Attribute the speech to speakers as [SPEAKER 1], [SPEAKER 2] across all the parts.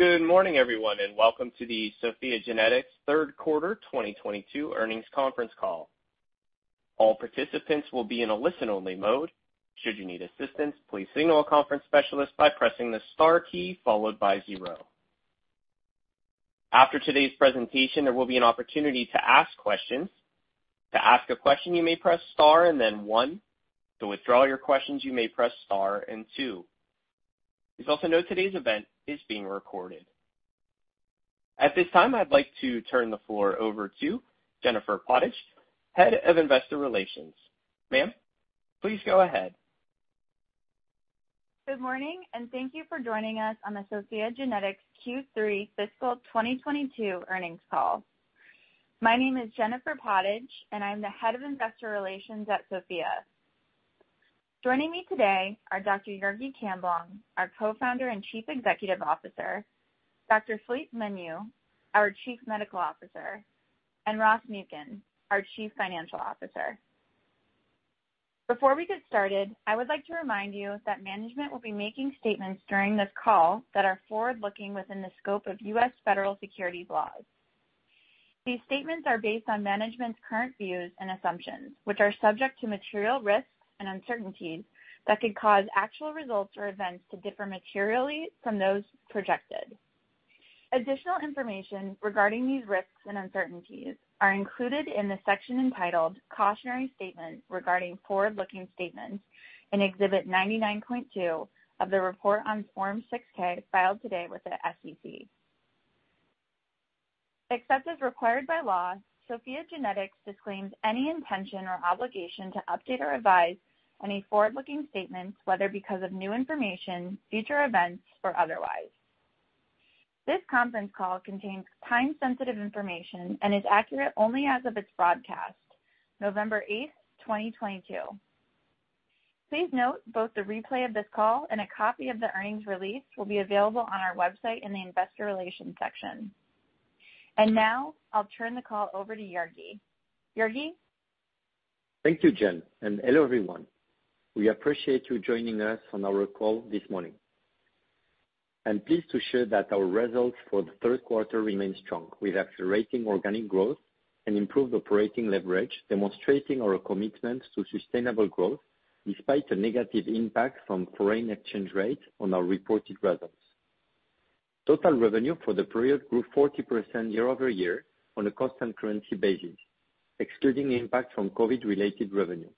[SPEAKER 1] Good morning everyone, and welcome to the SOPHiA GENETICS third quarter 2022 earnings conference call. All participants will be in a listen-only mode. Should you need assistance, please signal a conference specialist by pressing the star key followed by zero. After today's presentation, there will be an opportunity to ask questions. To ask a question, you may press star and then one. To withdraw your questions, you may press star and two. Please also note today's event is being recorded. At this time, I'd like to turn the floor over to Jennifer Pottage, Head of Investor Relations. Ma'am, please go ahead.
[SPEAKER 2] Good morning, and thank you for joining us on the SOPHiA GENETICS Q3 fiscal 2022 earnings call. My name is Jennifer Pottage, and I'm the head of investor relations at SOPHiA GENETICS. Joining me today are Dr. Jurgi Camblong, our co-founder and chief executive officer, Dr. Philippe Menu, our chief medical officer, and Ross Muken, our chief financial officer. Before we get started, I would like to remind you that management will be making statements during this call that are forward-looking within the scope of US Federal securities laws. These statements are based on management's current views and assumptions, which are subject to material risks and uncertainties that could cause actual results or events to differ materially from those projected. Additional information regarding these risks and uncertainties are included in the section entitled "Cautionary Statement Regarding Forward-Looking Statements" in Exhibit 99.2 of the report on Form 6-K filed today with the SEC. Except as required by law, SOPHiA GENETICS disclaims any intention or obligation to update or revise any forward-looking statements, whether because of new information, future events or otherwise. This conference call contains time-sensitive information and is accurate only as of its broadcast, November 8, 2022. Please note both the replay of this call and a copy of the earnings release will be available on our website in the investor relations section. Now, I'll turn the call over to Jurgi. Jurgi?
[SPEAKER 3] Thank you, Jen, and hello everyone. We appreciate you joining us on our call this morning. I'm pleased to share that our results for the third quarter remain strong, with accelerating organic growth and improved operating leverage, demonstrating our commitment to sustainable growth despite a negative impact from foreign exchange rates on our reported results. Total revenue for the period grew 40% year-over-year on a constant currency basis, excluding impact from COVID-related revenue.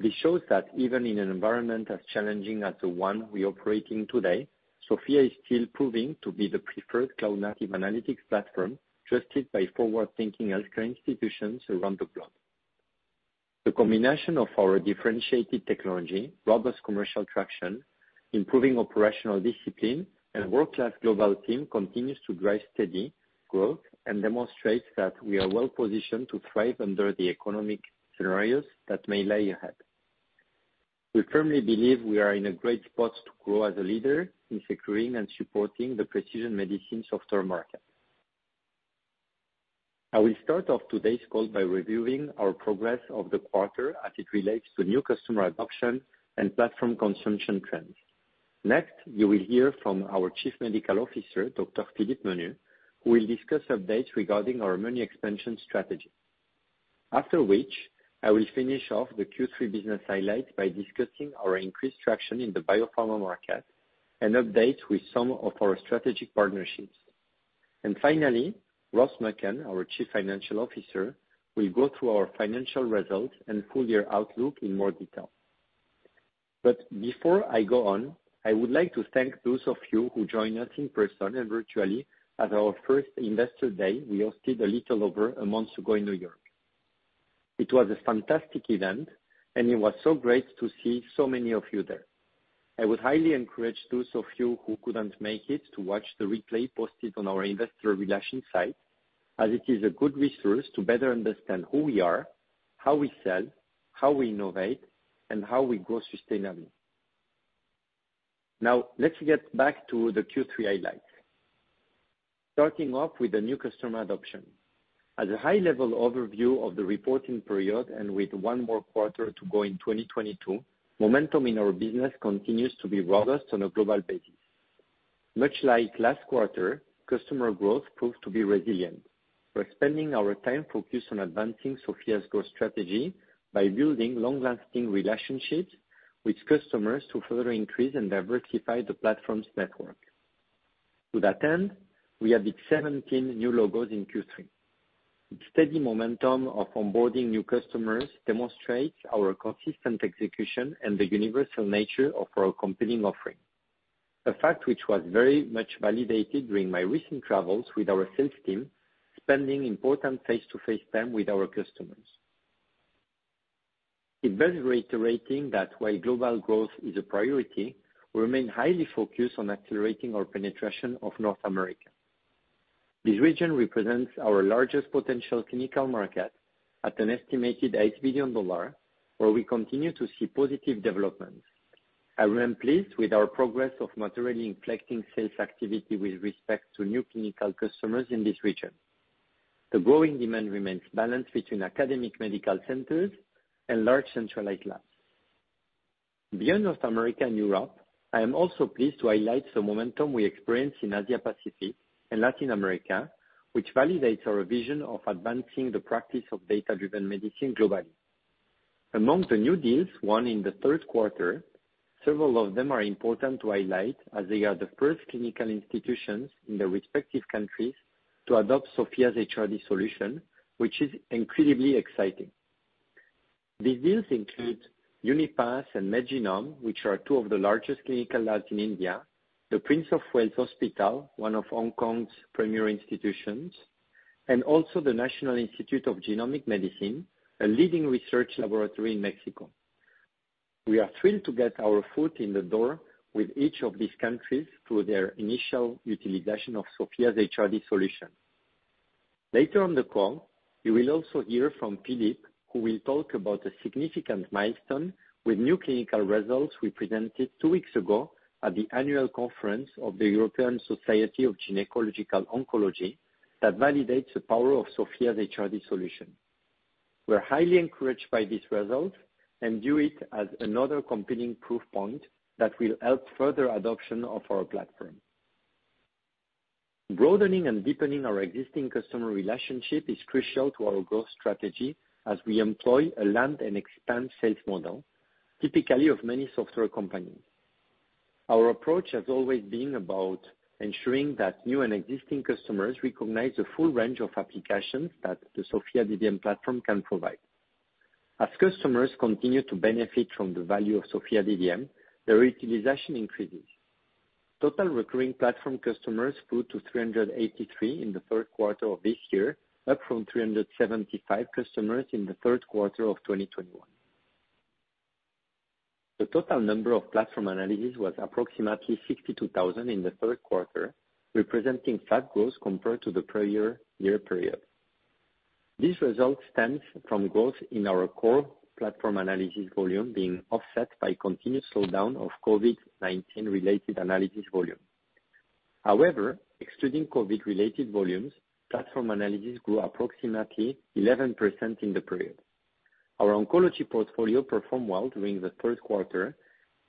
[SPEAKER 3] This shows that even in an environment as challenging as the one we operate in today, SOPHiA is still proving to be the preferred cloud-native analytics platform trusted by forward-thinking healthcare institutions around the globe. The combination of our differentiated technology, robust commercial traction, improving operational discipline, and world-class global team continues to drive steady growth and demonstrates that we are well-positioned to thrive under the economic scenarios that may lie ahead. We firmly believe we are in a great spot to grow as a leader in securing and supporting the precision medicine software market. I will start off today's call by reviewing our progress of the quarter as it relates to new customer adoption and platform consumption trends. Next, you will hear from our Chief Medical Officer, Dr. Philippe Menu, who will discuss updates regarding our menu expansion strategy. After which, I will finish off the Q3 business highlights by discussing our increased traction in the biopharma market and updates with some of our strategic partnerships. Finally, Ross Muken, our Chief Financial Officer, will go through our financial results and full year outlook in more detail. Before I go on, I would like to thank those of you who joined us in person and virtually at our first investor day we hosted a little over a month ago in New York. It was a fantastic event and it was so great to see so many of you there. I would highly encourage those of you who couldn't make it to watch the replay posted on our investor relations site, as it is a good resource to better understand who we are, how we sell, how we innovate, and how we grow sustainably. Now let's get back to the Q3 highlights. Starting off with the new customer adoption. As a high-level overview of the reporting period and with one more quarter to go in 2022, momentum in our business continues to be robust on a global basis. Much like last quarter, customer growth proved to be resilient. We're spending our time focused on advancing SOPHiA's growth strategy by building long-lasting relationships with customers to further increase and diversify the platform's network. To that end, we added 17 new logos in Q3. The steady momentum of onboarding new customers demonstrates our consistent execution and the universal nature of our compelling offering. A fact which was very much validated during my recent travels with our sales team, spending important face-to-face time with our customers. It bears reiterating that while global growth is a priority, we remain highly focused on accelerating our penetration of North America. This region represents our largest potential clinical market at an estimated $8 billion, where we continue to see positive developments. I remain pleased with our progress of materially intensifying sales activity with respect to new clinical customers in this region. The growing demand remains balanced between academic medical centers and large centralized labs. Beyond North America and Europe, I am also pleased to highlight the momentum we experienced in Asia Pacific and Latin America, which validates our vision of advancing the practice of data-driven medicine globally. Among the new deals won in the third quarter, several of them are important to highlight, as they are the first clinical institutions in their respective countries to adopt SOPHiA's HRD solution, which is incredibly exciting. These deals include Unipath and MedGenome, which are two of the largest clinical labs in India, the Prince of Wales Hospital, one of Hong Kong's premier institutions, and also the National Institute of Genomic Medicine, a leading research laboratory in Mexico. We are thrilled to get our foot in the door with each of these countries through their initial utilization of SOPHiA's HRD solution. Later on the call, you will also hear from Philippe, who will talk about a significant milestone with new clinical results we presented two weeks ago at the annual conference of the European Society of Gynecological Oncology that validates the power of SOPHiA's HRD solution. We're highly encouraged by this result and view it as another compelling proof point that will help further adoption of our platform. Broadening and deepening our existing customer relationship is crucial to our growth strategy as we employ a land and expand sales model, typical of many software companies. Our approach has always been about ensuring that new and existing customers recognize the full range of applications that the SOPHiA DDM platform can provide. As customers continue to benefit from the value of SOPHiA DDM, their utilization increases. Total recurring platform customers grew to 383 in the third quarter of this year, up from 375 customers in the third quarter of 2021. The total number of platform analysis was approximately 62,000 in the third quarter, representing flat growth compared to the prior year period. This result stems from growth in our core platform analysis volume being offset by continued slowdown of COVID-19 related analysis volume. However, excluding COVID-related volumes, platform analysis grew approximately 11% in the period. Our oncology portfolio performed well during the third quarter,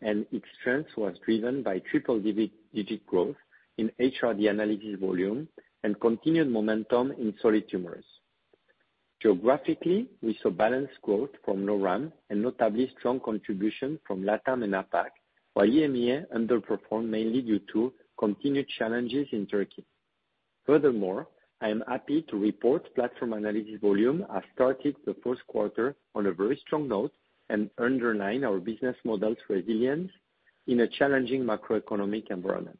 [SPEAKER 3] and its strength was driven by triple-digit growth in HRD analysis volume and continued momentum in solid tumors. Geographically, we saw balanced growth from NORAM and notably strong contribution from LATAM and APAC, while EMEA underperformed mainly due to continued challenges in Turkey. Furthermore, I am happy to report platform analysis volume has started the first quarter on a very strong note and underline our business model's resilience in a challenging macroeconomic environment.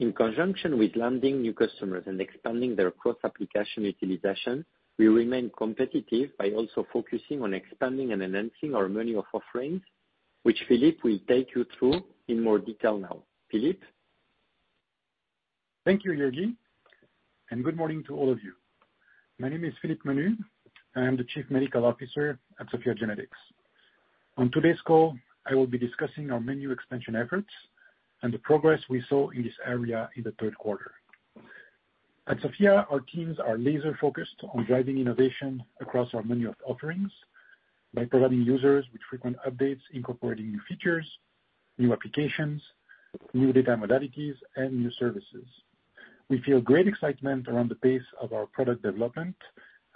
[SPEAKER 3] In conjunction with landing new customers and expanding their cross-application utilization, we remain competitive by also focusing on expanding and enhancing our menu of offerings, which Philippe will take you through in more detail now. Philippe?
[SPEAKER 4] Thank you, Jurgi, and good morning to all of you. My name is Philippe Menu. I am the Chief Medical Officer at SOPHiA GENETICS. On today's call, I will be discussing our menu expansion efforts and the progress we saw in this area in the third quarter. At SOPHiA GENETICS, our teams are laser-focused on driving innovation across our menu of offerings by providing users with frequent updates, incorporating new features, new applications, new data modalities, and new services. We feel great excitement around the pace of our product development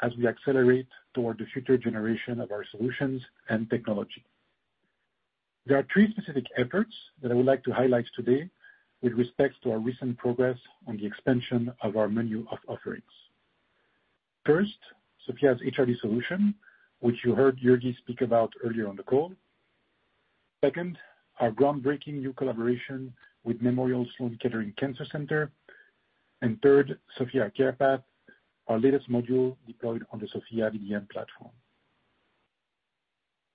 [SPEAKER 4] as we accelerate toward the future generation of our solutions and technology. There are three specific efforts that I would like to highlight today with respect to our recent progress on the expansion of our menu of offerings. First, SOPHiA GENETICS's HRD solution, which you heard Jurgi speak about earlier on the call. Second, our groundbreaking new collaboration with Memorial Sloan Kettering Cancer Center. Third, SOPHiA CarePath, our latest module deployed on the SOPHiA DDM platform.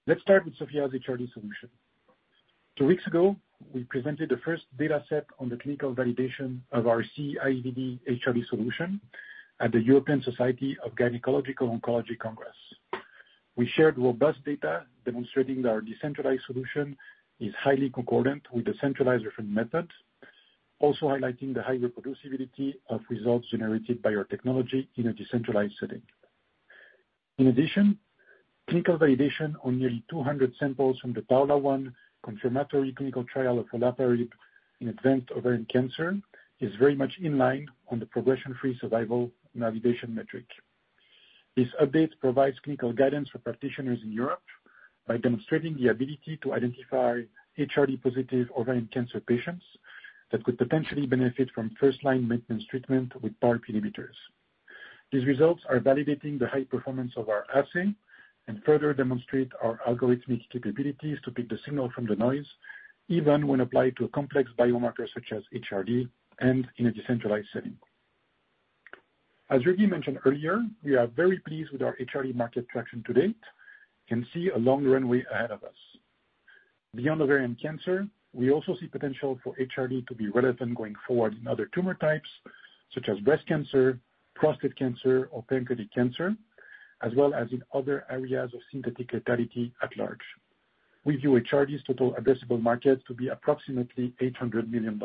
[SPEAKER 4] Let's start with SOPHiA's HRD solution. 2 weeks ago, we presented the first data set on the clinical validation of our CE-IVD HRD solution at the European Society of Gynecological Oncology Congress. We shared robust data demonstrating that our decentralized solution is highly concordant with the centralized different methods, also highlighting the high reproducibility of results generated by our technology in a decentralized setting. In addition, clinical validation on nearly 200 samples from the PAOLA-1 confirmatory clinical trial of olaparib in advanced ovarian cancer is very much in line on the progression-free survival navigation metric. This update provides clinical guidance for practitioners in Europe by demonstrating the ability to identify HRD positive ovarian cancer patients that could potentially benefit from first-line maintenance treatment with PARP inhibitors. These results are validating the high performance of our assay and further demonstrate our algorithmic capabilities to pick the signal from the noise, even when applied to a complex biomarker such as HRD and in a decentralized setting. As Jurgi mentioned earlier, we are very pleased with our HRD market traction to date and see a long runway ahead of us. Beyond ovarian cancer, we also see potential for HRD to be relevant going forward in other tumor types, such as breast cancer, prostate cancer, or pancreatic cancer, as well as in other areas of synthetic lethality at large. We view HRD's total addressable market to be approximately $800 million.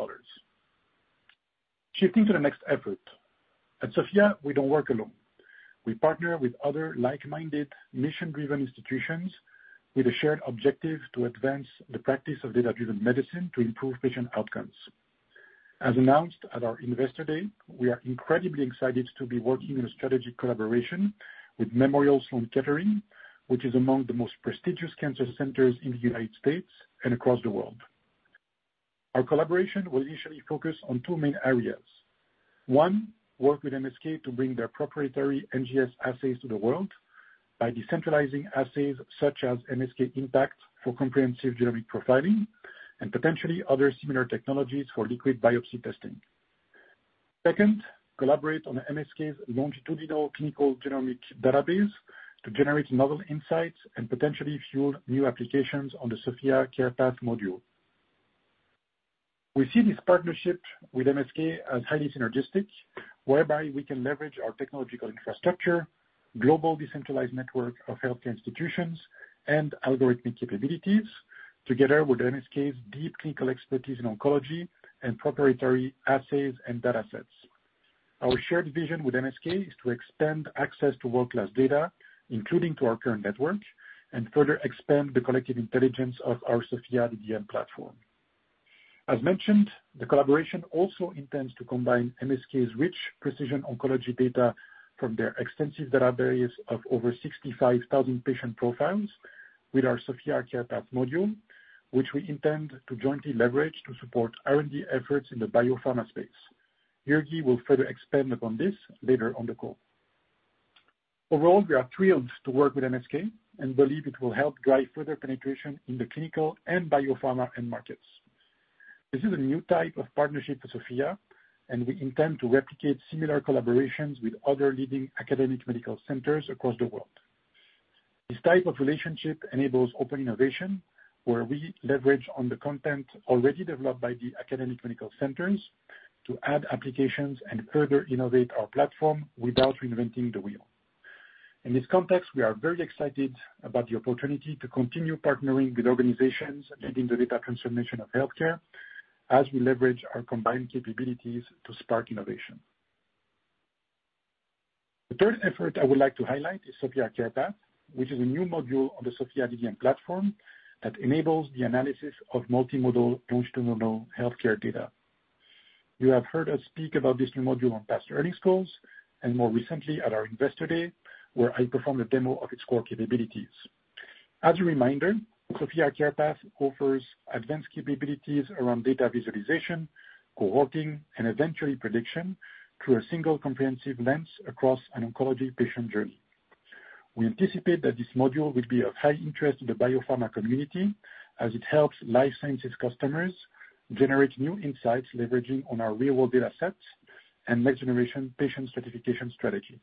[SPEAKER 4] Shifting to the next effort. At SOPHiA, we don't work alone. We partner with other like-minded, mission-driven institutions with a shared objective to advance the practice of data-driven medicine to improve patient outcomes. As announced at our Investor Day, we are incredibly excited to be working in a strategic collaboration with Memorial Sloan Kettering, which is among the most prestigious cancer centers in the United States and across the world. Our collaboration will initially focus on two main areas. One, work with MSK to bring their proprietary NGS assays to the world by decentralizing assays such as MSK-IMPACT for comprehensive genomic profiling and potentially other similar technologies for liquid biopsy testing. Second, collaborate on MSK's longitudinal clinical genomic database to generate novel insights and potentially fuel new applications on the SOPHiA CarePath module. We see this partnership with MSK as highly synergistic, whereby we can leverage our technological infrastructure, global decentralized network of healthcare institutions, and algorithmic capabilities together with MSK's deep clinical expertise in oncology and proprietary assays and datasets. Our shared vision with MSK is to expand access to world-class data, including to our current network, and further expand the collective intelligence of our SOPHiA DDM platform. As mentioned, the collaboration also intends to combine MSK's rich precision oncology data from their extensive database of over 65,000 patient profiles with our SOPHiA CarePath module, which we intend to jointly leverage to support R&D efforts in the biopharma space. Jurgi will further expand upon this later on the call. Overall, we are thrilled to work with MSK and believe it will help drive further penetration in the clinical and biopharma end markets. This is a new type of partnership for SOPHiA, and we intend to replicate similar collaborations with other leading academic medical centers across the world. This type of relationship enables open innovation, where we leverage on the content already developed by the academic medical centers to add applications and further innovate our platform without reinventing the wheel. In this context, we are very excited about the opportunity to continue partnering with organizations leading the data transformation of healthcare as we leverage our combined capabilities to spark innovation. The third effort I would like to highlight is SOPHiA CarePath, which is a new module on the SOPHiA DDM platform that enables the analysis of multimodal longitudinal healthcare data. You have heard us speak about this new module on past earnings calls, and more recently at our Investor Day, where I performed a demo of its core capabilities. As a reminder, SOPHiA CarePath offers advanced capabilities around data visualization, cohorting, and eventually prediction through a single comprehensive lens across an oncology patient journey. We anticipate that this module will be of high interest to the biopharma community as it helps life sciences customers generate new insights, leveraging on our real world data sets and next generation patient stratification strategies.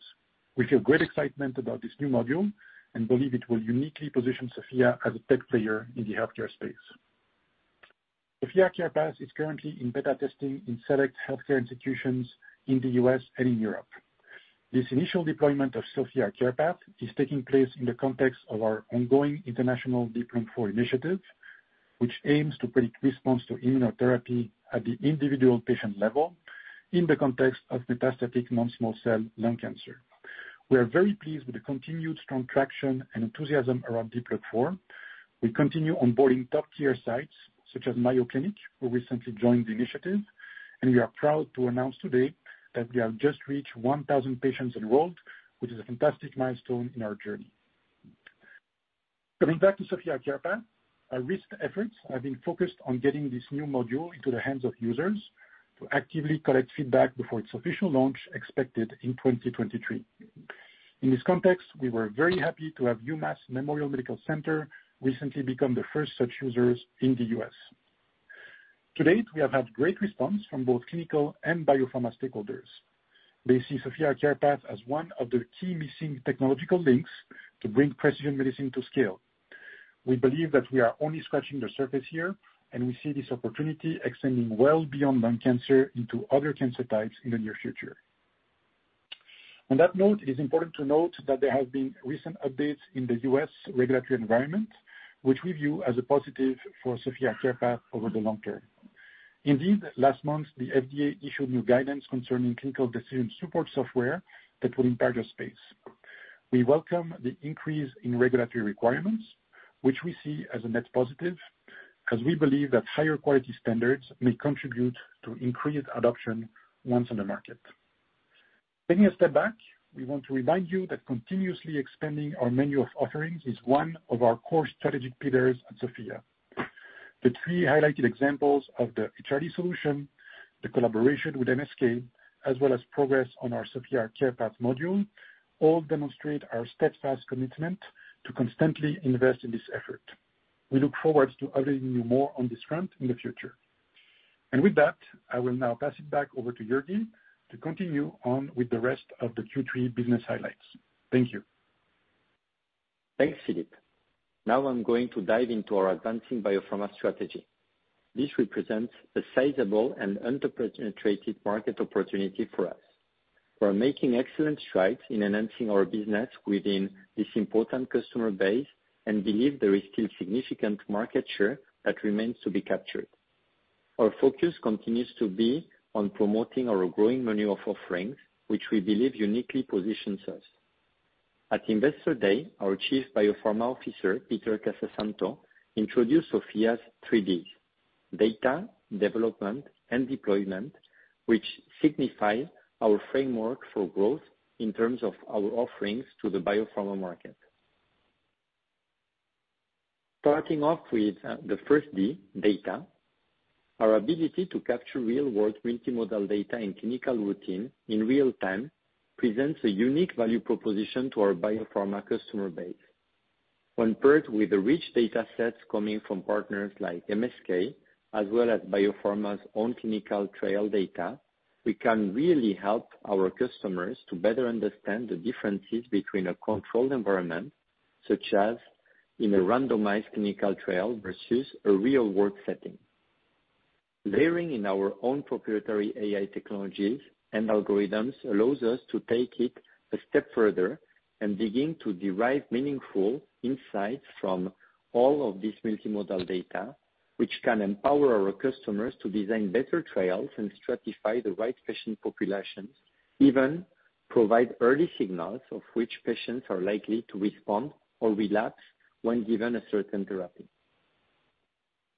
[SPEAKER 4] We feel great excitement about this new module and believe it will uniquely position SOPHiA as a tech player in the healthcare space. SOPHiA CarePath is currently in beta testing in select healthcare institutions in the US and in Europe. This initial deployment of SOPHiA CarePath is taking place in the context of our ongoing international DEEP-Lung-IV initiative, which aims to predict response to immunotherapy at the individual patient level in the context of metastatic non-small cell lung cancer. We are very pleased with the continued strong traction and enthusiasm around DEEP-Lung-IV. We continue onboarding top-tier sites such as Mayo Clinic, who recently joined the initiative. We are proud to announce today that we have just reached 1,000 patients enrolled, which is a fantastic milestone in our journey. Coming back to SOPHiA CarePath, our recent efforts have been focused on getting this new module into the hands of users to actively collect feedback before its official launch, expected in 2023. In this context, we were very happy to have UMass Memorial Medical Center recently become the first such users in the U.S. To date, we have had great response from both clinical and biopharma stakeholders. They see SOPHiA CarePath as one of the key missing technological links to bring precision medicine to scale. We believe that we are only scratching the surface here, and we see this opportunity extending well beyond lung cancer into other cancer types in the near future. On that note, it is important to note that there have been recent updates in the U.S. regulatory environment, which we view as a positive for SOPHiA CarePath over the long term. Indeed, last month, the FDA issued new guidance concerning clinical decision support software that will impact our space. We welcome the increase in regulatory requirements, which we see as a net positive, as we believe that higher quality standards may contribute to increased adoption once on the market. Taking a step back, we want to remind you that continuously expanding our menu of offerings is one of our core strategic pillars at SOPHiA. The three highlighted examples of the HRD solution, the collaboration with MSK, as well as progress on our SOPHiA CarePath module, all demonstrate our steadfast commitment to constantly invest in this effort. We look forward to updating you more on this front in the future. With that, I will now pass it back over to Jurgi to continue on with the rest of the Q3 business highlights. Thank you.
[SPEAKER 3] Thanks, Philippe. Now I'm going to dive into our advancing biopharma strategy. This represents a sizable and underpenetrated market opportunity for us. We're making excellent strides in enhancing our business within this important customer base, and believe there is still significant market share that remains to be captured. Our focus continues to be on promoting our growing menu of offerings, which we believe uniquely positions us. At Investor Day, our chief biopharma officer, Peter Casasanto, introduced SOPHiA's three Ds, data, development, and deployment, which signify our framework for growth in terms of our offerings to the biopharma market. Starting off with the first D, data, our ability to capture real-world multimodal data in clinical routine in real time presents a unique value proposition to our biopharma customer base. When paired with the rich data sets coming from partners like MSK, as well as Biopharma's own clinical trial data, we can really help our customers to better understand the differences between a controlled environment, such as in a randomized clinical trial versus a real-world setting. Layering in our own proprietary AI technologies and algorithms allows us to take it a step further and begin to derive meaningful insights from all of this multimodal data, which can empower our customers to design better trials and stratify the right patient populations, even provide early signals of which patients are likely to respond or relapse when given a certain therapy.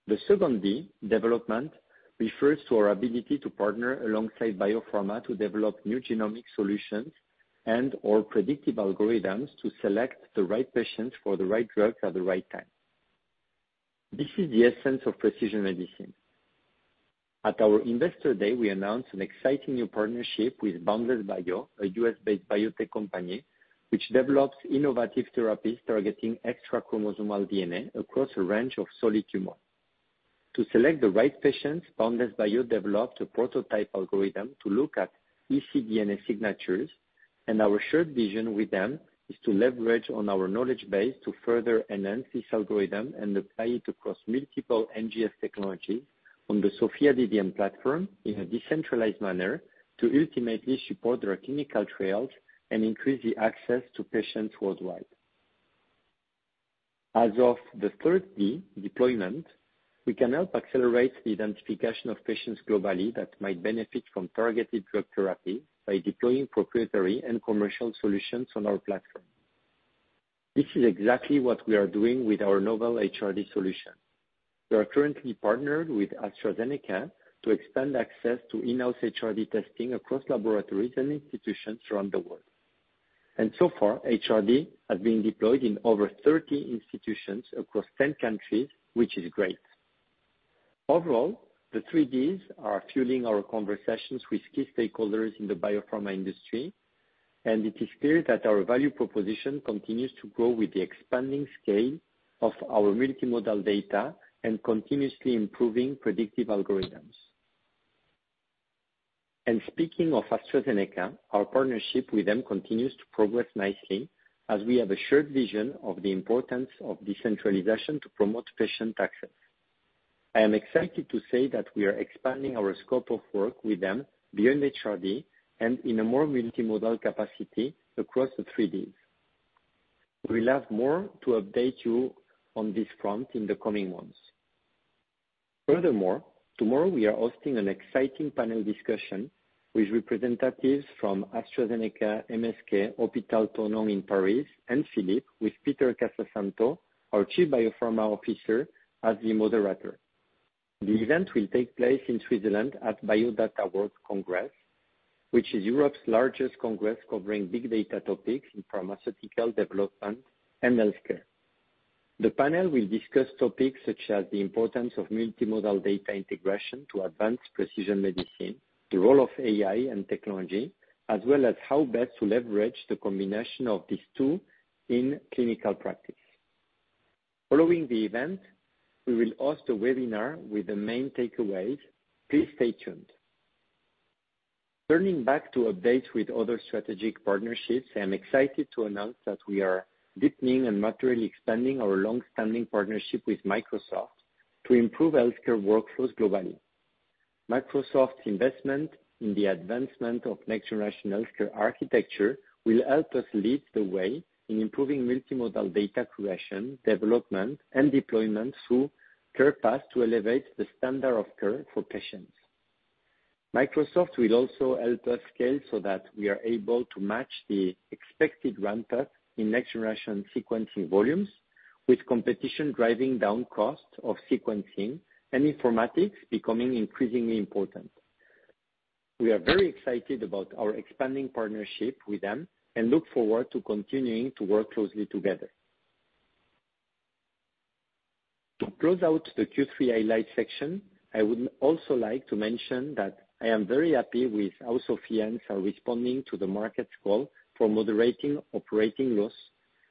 [SPEAKER 3] The second D, development, refers to our ability to partner alongside Biopharma to develop new genomic solutions and/or predictive algorithms to select the right patients for the right drugs at the right time. This is the essence of precision medicine. At our Investor Day, we announced an exciting new partnership with Boundless Bio, a U.S.-based biotech company which develops innovative therapies targeting extrachromosomal DNA across a range of solid tumors. To select the right patients, Boundless Bio developed a prototype algorithm to look at ecDNA signatures, and our shared vision with them is to leverage on our knowledge base to further enhance this algorithm and apply it across multiple NGS technologies on the SOPHiA DDM platform in a decentralized manner to ultimately support their clinical trials and increase the access to patients worldwide. As of the third D, deployment, we can help accelerate the identification of patients globally that might benefit from targeted drug therapy by deploying proprietary and commercial solutions on our platform. This is exactly what we are doing with our novel HRD solution. We are currently partnered with AstraZeneca to expand access to in-house HRD testing across laboratories and institutions around the world. So far, HRD has been deployed in over 30 institutions across 10 countries, which is great. Overall, the three Ds are fueling our conversations with key stakeholders in the biopharma industry, and it is clear that our value proposition continues to grow with the expanding scale of our multimodal data and continuously improving predictive algorithms. Speaking of AstraZeneca, our partnership with them continues to progress nicely as we have a shared vision of the importance of decentralization to promote patient access. I am excited to say that we are expanding our scope of work with them beyond HRD and in a more multimodal capacity across the three Ds. We'll have more to update you on this front in the coming months. Furthermore, tomorrow we are hosting an exciting panel discussion with representatives from AstraZeneca, MSK, Hôpitaux de Paris, and Philips with Peter Casasanto, our Chief BioPharma Officer, as the moderator. The event will take place in Switzerland at BioData World Congress, which is Europe's largest congress covering big data topics in pharmaceutical development and healthcare. The panel will discuss topics such as the importance of multimodal data integration to advance precision medicine, the role of AI and technology, as well as how best to leverage the combination of these two in clinical practice. Following the event, we will host a webinar with the main takeaways. Please stay tuned. Turning back to updates with other strategic partnerships, I am excited to announce that we are deepening and materially expanding our long-standing partnership with Microsoft to improve healthcare workflows globally. Microsoft's investment in the advancement of next-generation healthcare architecture will help us lead the way in improving multimodal data curation, development, and deployment through SOPHiA CarePath to elevate the standard of care for patients. Microsoft will also help us scale so that we are able to match the expected ramp-up in next-generation sequencing volumes with competition driving down costs of sequencing and informatics becoming increasingly important. We are very excited about our expanding partnership with them and look forward to continuing to work closely together. To close out the Q3 highlight section, I would also like to mention that I am very happy with how SOPHiANs are responding to the market's call for moderating operating loss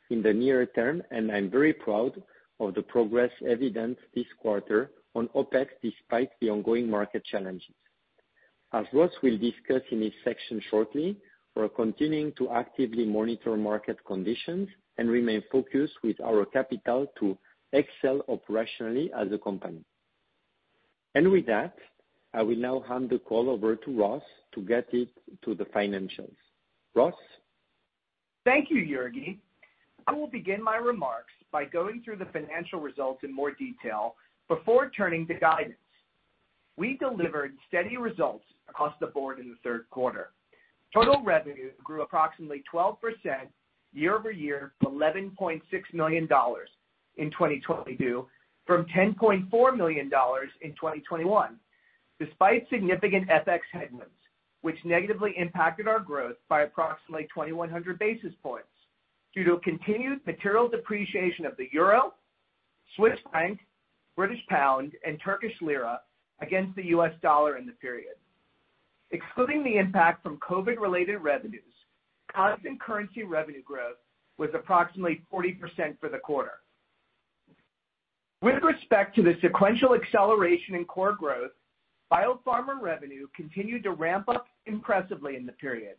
[SPEAKER 3] in the near term, and I'm very proud of the progress evident this quarter on OpEx despite the ongoing market challenges. As Ross will discuss in this section shortly, we're continuing to actively monitor market conditions and remain focused with our capital to excel operationally as a company. With that, I will now hand the call over to Ross to get it to the financials. Ross?
[SPEAKER 5] Thank you, Jurgi. I will begin my remarks by going through the financial results in more detail before turning to guidance. We delivered steady results across the board in the third quarter. Total revenue grew approximately 12% year over year to $11.6 million in 2022 from $10.4 million in 2021, despite significant FX headwinds, which negatively impacted our growth by approximately 2,100 basis points due to a continued material depreciation of the euro, Swiss franc, British pound, and Turkish lira against the US dollar in the period. Excluding the impact from COVID-related revenues, constant currency revenue growth was approximately 40% for the quarter. With respect to the sequential acceleration in core growth, biopharma revenue continued to ramp up impressively in the period.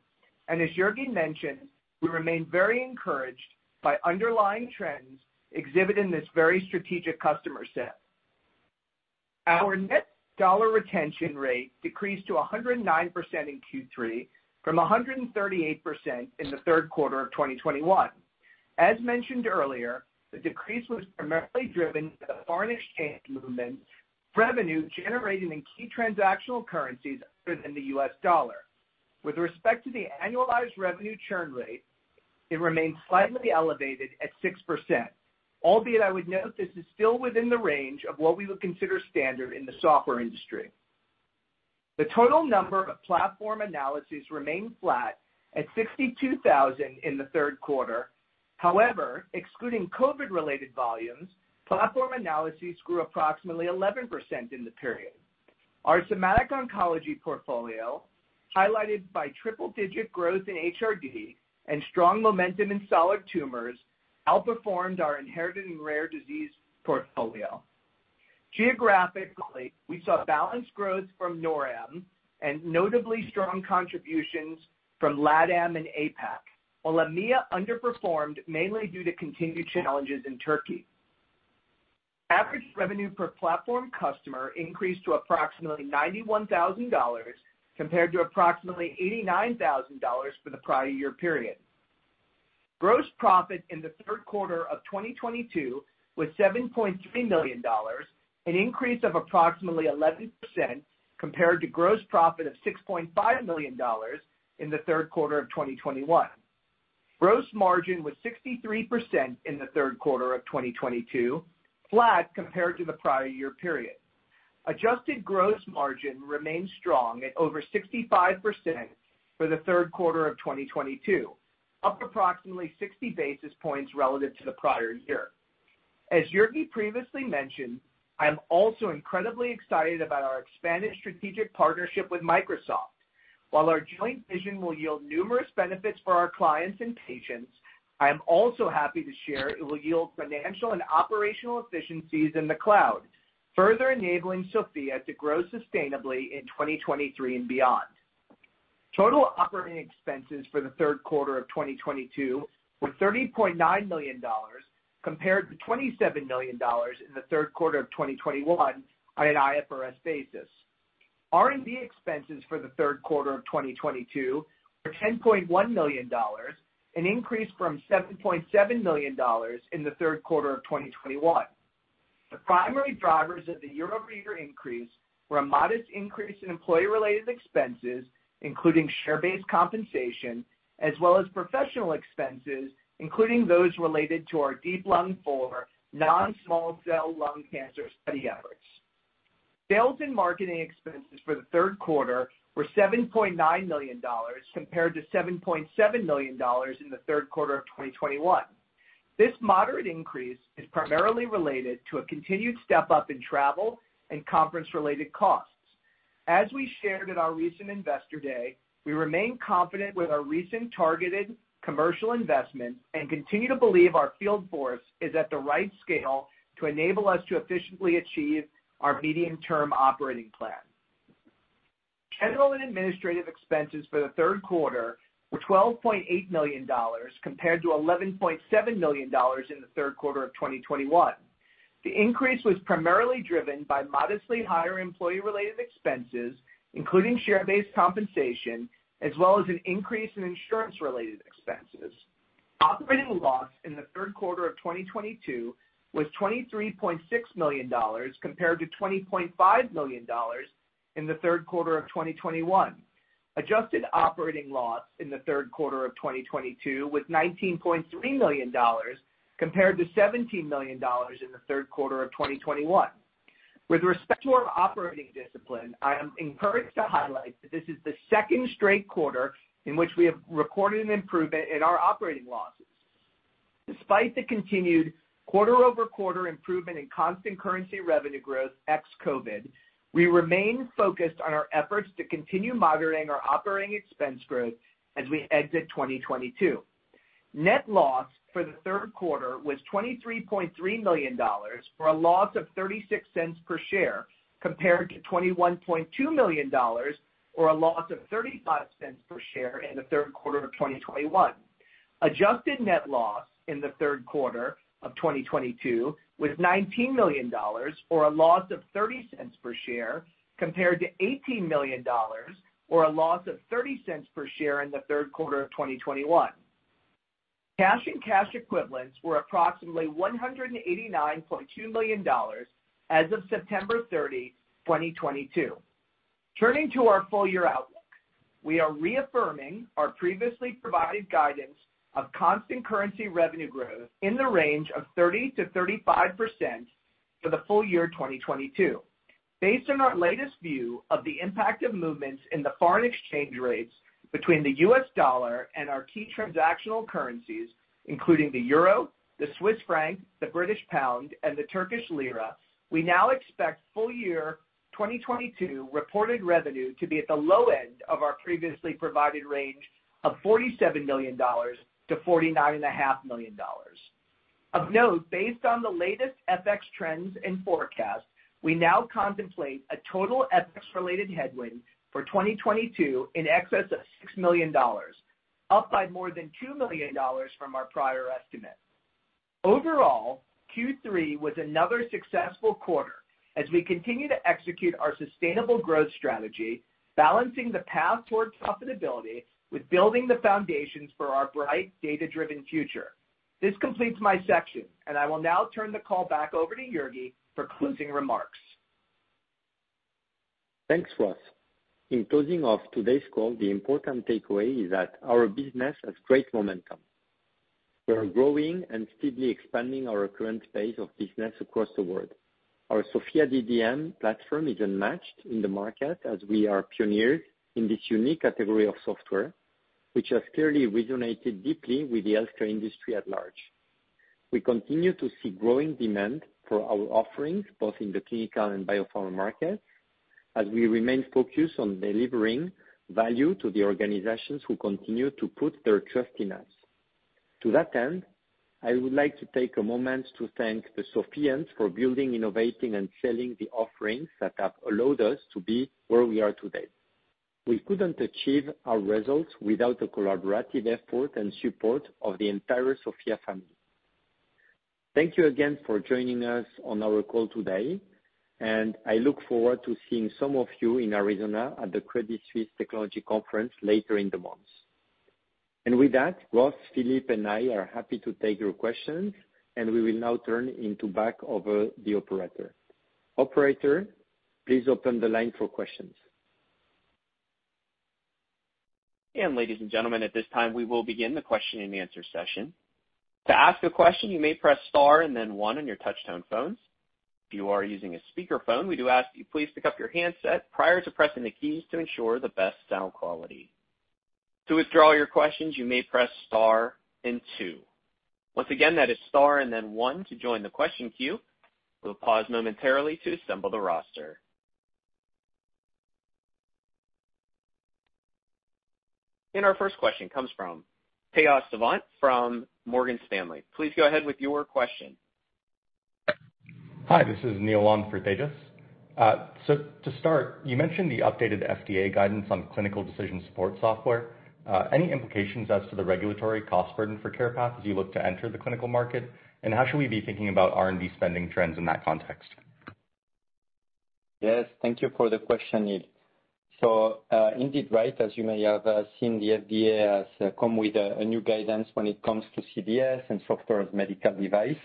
[SPEAKER 5] As Jurgi mentioned, we remain very encouraged by underlying trends exhibited in this very strategic customer set. Our net dollar retention rate decreased to 109% in Q3 from 138% in the third quarter of 2021. As mentioned earlier, the decrease was primarily driven by the foreign exchange movement revenue generating in key transactional currencies other than the US dollar. With respect to the annualized revenue churn rate, it remains slightly elevated at 6%, albeit I would note this is still within the range of what we would consider standard in the software industry. The total number of platform analyses remained flat at 62,000 in the third quarter. However, excluding COVID-related volumes, platform analyses grew approximately 11% in the period. Our somatic oncology portfolio, highlighted by triple-digit growth in HRD and strong momentum in solid tumors, outperformed our inherited and rare disease portfolio. Geographically, we saw balanced growth from NORAM and notably strong contributions from LATAM and APAC, while EMEA underperformed mainly due to continued challenges in Turkey. Average revenue per platform customer increased to approximately $91,000 compared to approximately $89,000 for the prior year period. Gross profit in the third quarter of 2022 was $7.3 million, an increase of approximately 11% compared to gross profit of $6.5 million in the third quarter of 2021. Gross margin was 63% in the third quarter of 2022, flat compared to the prior year period. Adjusted gross margin remains strong at over 65% for the third quarter of 2022, up approximately 60 basis points relative to the prior year. Jurgi previously mentioned, I'm also incredibly excited about our expanded strategic partnership with Microsoft. While our joint vision will yield numerous benefits for our clients and patients, I am also happy to share it will yield financial and operational efficiencies in the cloud, further enabling SOPHiA to grow sustainably in 2023 and beyond. Total operating expenses for the third quarter of 2022 were $30.9 million compared to $27 million in the third quarter of 2021 on an IFRS basis. R&D expenses for the third quarter of 2022 were $10.1 million, an increase from $7.7 million in the third quarter of 2021. The primary drivers of the year-over-year increase were a modest increase in employee-related expenses, including share-based compensation, as well as professional expenses, including those related to our DEEP-Lung-IV non-small cell lung cancer study efforts. Sales and marketing expenses for the third quarter were $7.9 million compared to $7.7 million in the third quarter of 2021. This moderate increase is primarily related to a continued step-up in travel and conference-related costs. As we shared at our recent Investor Day, we remain confident with our recent targeted commercial investment and continue to believe our field force is at the right scale to enable us to efficiently achieve our medium-term operating plan. General and administrative expenses for the third quarter were $12.8 million compared to $11.7 million in the third quarter of 2021. The increase was primarily driven by modestly higher employee-related expenses, including share-based compensation, as well as an increase in insurance-related expenses. Operating loss in the third quarter of 2022 was $23.6 million compared to $20.5 million in the third quarter of 2021. Adjusted operating loss in the third quarter of 2022 was $19.3 million compared to $17 million in the third quarter of 2021. With respect to our operating discipline, I am encouraged to highlight that this is the second straight quarter in which we have recorded an improvement in our operating losses. Despite the continued quarter-over-quarter improvement in constant currency revenue growth ex-COVID, we remain focused on our efforts to continue monitoring our operating expense growth as we exit 2022. Net loss for the third quarter was $23.3 million, for a loss of $0.36 per share, compared to $21.2 million or a loss of $0.35 per share in the third quarter of 2021. Adjusted net loss in the third quarter of 2022 was $19 million or a loss of $0.30 per share, compared to $18 million or a loss of $0.30 per share in the third quarter of 2021. Cash and cash equivalents were approximately $189.2 million as of September 30, 2022. Turning to our full year outlook. We are reaffirming our previously provided guidance of constant currency revenue growth in the range of 30%-35% for the full year 2022. Based on our latest view of the impact of movements in the foreign exchange rates between the US dollar and our key transactional currencies, including the euro, the Swiss franc, the British pound, and the Turkish lira, we now expect full year 2022 reported revenue to be at the low end of our previously provided range of $47 million-$49.5 million. Of note, based on the latest FX trends and forecasts, we now contemplate a total FX-related headwind for 2022 in excess of $6 million, up by more than $2 million from our prior estimate. Overall, Q3 was another successful quarter as we continue to execute our sustainable growth strategy, balancing the path towards profitability with building the foundations for our bright data-driven future. This completes my section, and I will now turn the call back over to Jurgi for closing remarks.
[SPEAKER 3] Thanks, Ross. In closing of today's call, the important takeaway is that our business has great momentum. We are growing and steadily expanding our current base of business across the world. Our SOPHiA DDM platform is unmatched in the market as we are pioneers in this unique category of software, which has clearly resonated deeply with the healthcare industry at large. We continue to see growing demand for our offerings, both in the clinical and biopharma markets, as we remain focused on delivering value to the organizations who continue to put their trust in us. To that end, I would like to take a moment to thank the SOPHiANs for building, innovating, and selling the offerings that have allowed us to be where we are today. We couldn't achieve our results without the collaborative effort and support of the entire SOPHiA family. Thank you again for joining us on our call today, and I look forward to seeing some of you in Arizona at the Credit Suisse Technology Conference later in the month. With that, Ross, Philippe, and I are happy to take your questions, and we will now turn it back over to the operator. Operator, please open the line for questions.
[SPEAKER 1] Ladies and gentlemen, at this time, we will begin the question-and-answer session. To ask a question, you may press star and then one on your touch tone phones. If you are using a speakerphone, we do ask you please pick up your handset prior to pressing the keys to ensure the best sound quality. To withdraw your questions, you may press star and two. Once again, that is star and then one to join the question queue. We'll pause momentarily to assemble the roster. Our first question comes from Tejas Savant from Morgan Stanley. Please go ahead with your question.
[SPEAKER 6] Hi, this is Neil Wong for Tejas. To start, you mentioned the updated FDA guidance on clinical decision support software. Any implications as to the regulatory cost burden for CarePath as you look to enter the clinical market? How should we be thinking about R&D spending trends in that context?
[SPEAKER 3] Yes, thank you for the question, Neil. Indeed, right, as you may have seen, the FDA has come with a new guidance when it comes to CDS and software as medical device.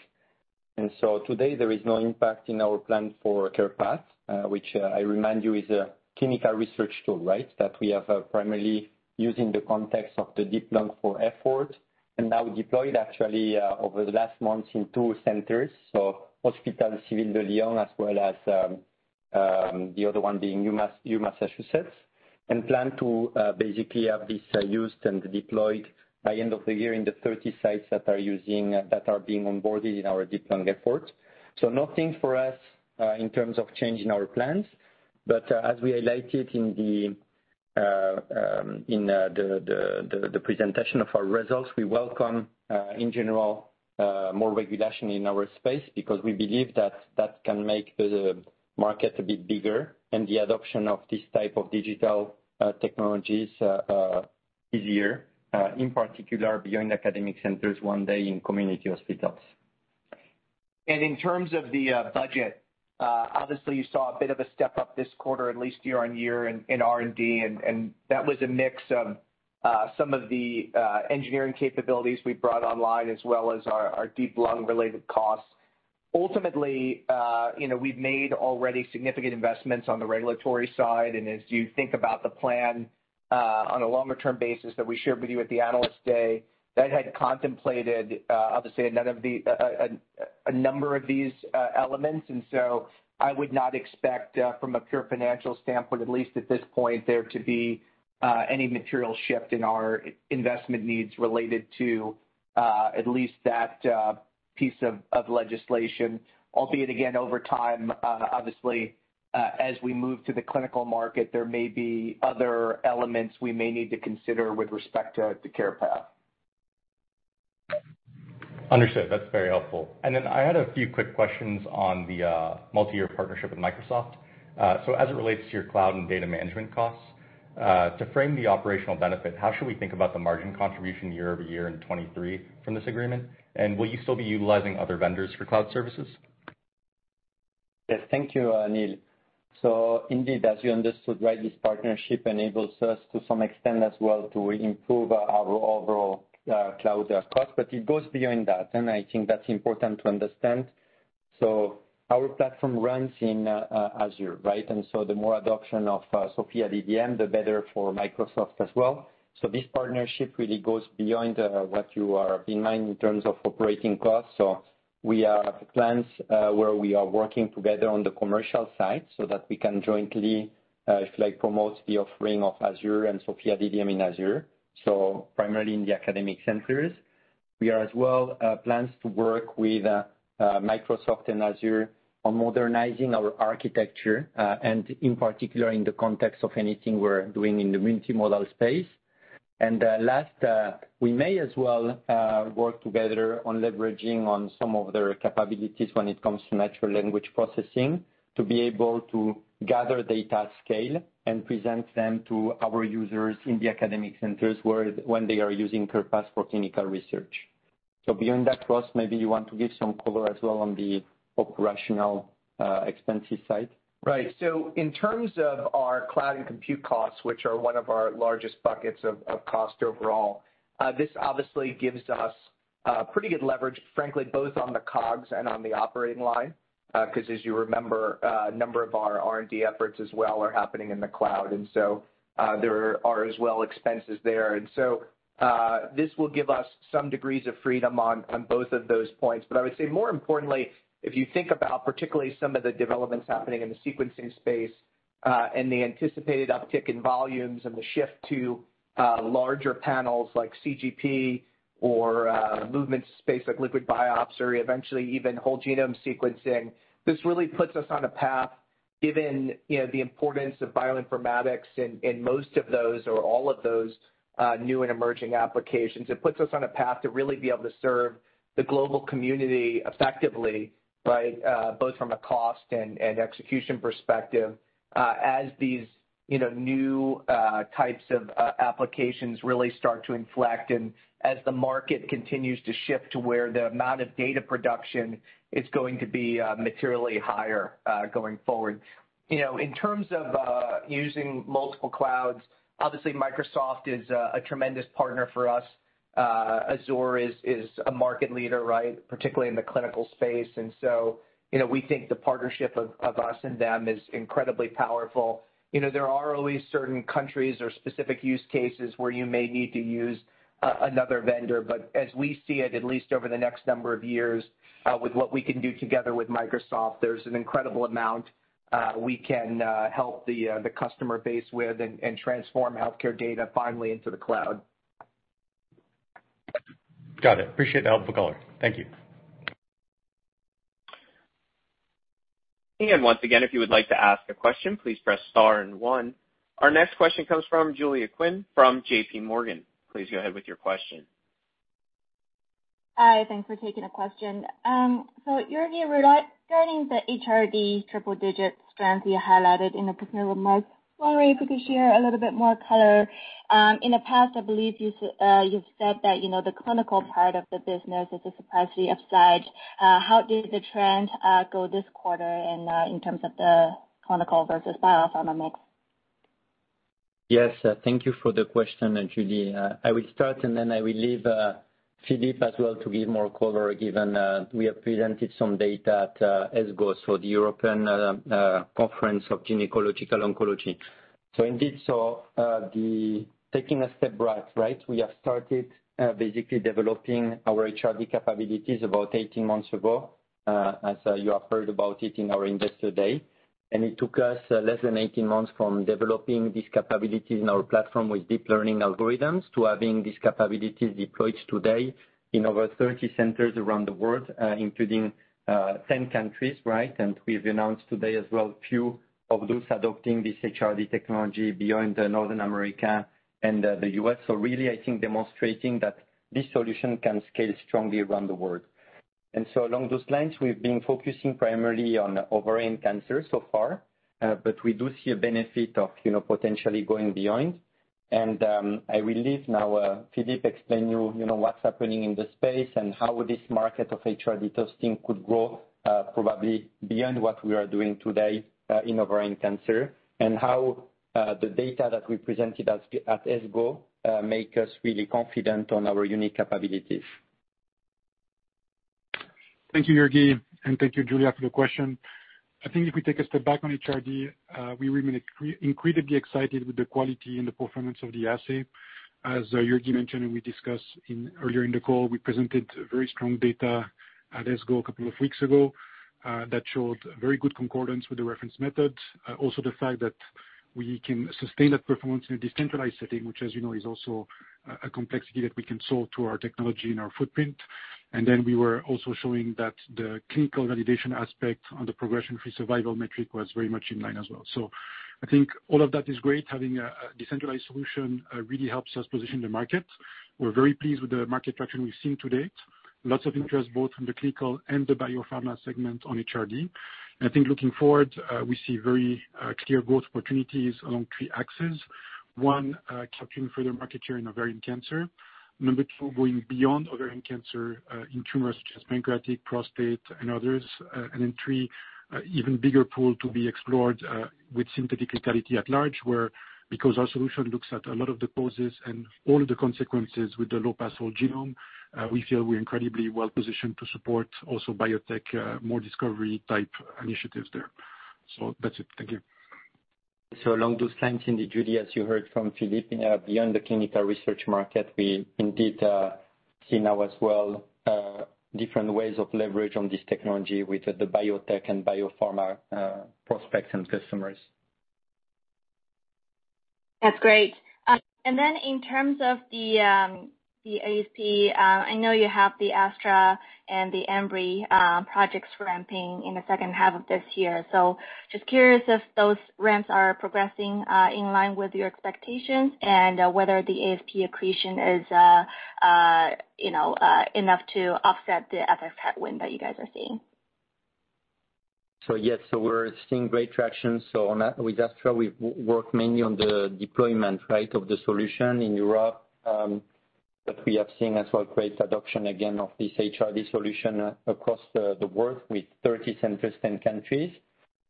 [SPEAKER 3] Today, there is no impact in our plan for CarePath, which I remind you is a clinical research tool, right? That we have primarily used in the context of the DEEP-Lung effort, and now deployed actually over the last months in 2 centers. Hospices Civils de Lyon, as well as the other one being UMass Memorial Medical Center, and plan to basically have this used and deployed by end of the year in the 30 sites that are being onboarded in our DEEP-Lung effort. Nothing for us in terms of changing our plans. As we highlighted in the presentation of our results, we welcome in general more regulation in our space because we believe that can make the market a bit bigger and the adoption of this type of digital technologies easier in particular beyond academic centers one day in community hospitals.
[SPEAKER 5] In terms of the budget, obviously you saw a bit of a step up this quarter, at least year-on-year in R&D. That was a mix of some of the engineering capabilities we brought online, as well as our DEEP-Lung related costs. Ultimately, you know, we've made already significant investments on the regulatory side. As you think about the plan on a longer term basis that we shared with you at the Analyst Day, that had contemplated obviously another of the a number of these elements. I would not expect from a pure financial standpoint, at least at this point, there to be any material shift in our investment needs related to at least that piece of legislation. Albeit again, over time, obviously, as we move to the clinical market, there may be other elements we may need to consider with respect to the CarePath.
[SPEAKER 6] I had a few quick questions on the multi-year partnership with Microsoft. As it relates to your cloud and data management costs, to frame the operational benefit, how should we think about the margin contribution year-over-year in 2023 from this agreement? Will you still be utilizing other vendors for cloud services?
[SPEAKER 3] Yes, thank you, Neil. Indeed, as you understood, right, this partnership enables us to some extent as well to improve our overall cloud cost, but it goes beyond that, and I think that's important to understand. Our platform runs in Azure, right? The more adoption of SOPHiA DDM, the better for Microsoft as well. This partnership really goes beyond what you are in mind in terms of operating costs. We have plans where we are working together on the commercial side so that we can jointly, if you like, promote the offering of Azure and SOPHiA DDM in Azure. Primarily in the academic centers. Plans to work with Microsoft and Azure on modernizing our architecture, and in particular, in the context of anything we're doing in the multimodal space. Lastly, we may as well work together on leveraging on some of their capabilities when it comes to natural language processing to be able to gather data at scale and present them to our users in the academic centers when they are using SOPHiA's for clinical research. Beyond that, Ross, maybe you want to give some color as well on the operational expenses side.
[SPEAKER 5] Right. In terms of our cloud and compute costs, which are one of our largest buckets of cost overall, this obviously gives us pretty good leverage, frankly, both on the COGS and on the operating line, 'cause as you remember, a number of our R&D efforts as well are happening in the cloud. There are as well expenses there. This will give us some degrees of freedom on both of those points. I would say more importantly, if you think about particularly some of the developments happening in the sequencing space, and the anticipated uptick in volumes and the shift to larger panels like CGP or NGS space like liquid biopsy, eventually even whole genome sequencing, this really puts us on a path given, you know, the importance of bioinformatics in most of those or all of those new and emerging applications. It puts us on a path to really be able to serve the global community effectively by both from a cost and execution perspective, as these, you know, new types of applications really start to inflect and as the market continues to shift to where the amount of data production is going to be materially higher going forward. You know, in terms of using multiple clouds, obviously Microsoft is a tremendous partner for us. Azure is a market leader, right? Particularly in the clinical space. You know, we think the partnership of us and them is incredibly powerful. You know, there are always certain countries or specific use cases where you may need to use another vendor, but as we see it, at least over the next number of years, with what we can do together with Microsoft, there's an incredible amount we can help the customer base with and transform healthcare data finally into the cloud.
[SPEAKER 6] Got it. Appreciate the helpful color. Thank you.
[SPEAKER 1] Once again, if you would like to ask a question, please press star and one. Our next question comes from Julia Qin from JP Morgan. Please go ahead with your question.
[SPEAKER 7] Hi. Thanks for taking the question. Jurgi, regarding the HRD triple digit strength you highlighted in the prepared remarks, I wonder if you could share a little bit more color. In the past, I believe you've said that, you know, the clinical part of the business is a surprising upside. How did the trend go this quarter and in terms of the clinical versus biopharma?
[SPEAKER 3] Yes. Thank you for the question, Julia. I will start and then I will leave Philippe as well to give more color given we have presented some data at ESGO, the European Conference of Gynecological Oncology. Taking a step back, right? We have started basically developing our HRD capabilities about 18 months ago, as you have heard about it in our Investor Day. It took us less than 18 months from developing these capabilities in our platform with deep learning algorithms to having these capabilities deployed today in over 30 centers around the world, including 10 countries, right? We've announced today as well few of those adopting this HRD technology beyond North America and the US. Really, I think demonstrating that this solution can scale strongly around the world. Along those lines, we've been focusing primarily on ovarian cancer so far, but we do see a benefit of, you know, potentially going beyond. I will now leave it to Philippe to explain to you know, what's happening in this space and how this market of HRD testing could grow, probably beyond what we are doing today, in ovarian cancer, and how the data that we presented at ESGO make us really confident on our unique capabilities.
[SPEAKER 4] Thank you, Jurgi, and thank you Julia for the question. I think if we take a step back on HRD, we remain incredibly excited with the quality and the performance of the assay. As Jurgi mentioned and we discussed earlier in the call, we presented very strong data at ESGO a couple of weeks ago, that showed very good concordance with the reference method. Also the fact that we can sustain that performance in a decentralized setting, which as you know, is also a complexity that we can solve through our technology and our footprint. We were also showing that the clinical validation aspect on the progression-free survival metric was very much in line as well. I think all of that is great. Having a decentralized solution really helps us position the market.
[SPEAKER 6] We're very pleased with the market traction we've seen to date. Lots of interest both from the clinical and the biopharma segment on HRD. I think looking forward, we see very clear growth opportunities along three axes. One, capturing further market share in ovarian cancer. Number two, going beyond ovarian cancer in tumors such as pancreatic, prostate and others. And then three, even bigger pool to be explored with synthetic lethality at large, where because our solution looks at a lot of the causes and all of the consequences with the low-pass whole genome sequencing, we feel we're incredibly well-positioned to support also biotech more discovery type initiatives there. That's it. Thank you.
[SPEAKER 3] Along those lines, indeed, Julia, as you heard from Philippe, beyond the clinical research market, we indeed see now as well different ways of leverage on this technology with the biotech and biopharma prospects and customers.
[SPEAKER 7] That's great. In terms of the ASP, I know you have the AstraZeneca and the Ambry projects ramping in the second half of this year. Just curious if those ramps are progressing in line with your expectations and whether the ASP accretion is enough to offset the FX headwind that you guys are seeing.
[SPEAKER 3] Yes, we're seeing great traction. On that with AstraZeneca, we work mainly on the deployment, right, of the solution in Europe. We have seen as well great adoption again of this HRD solution across the world with 30% countries.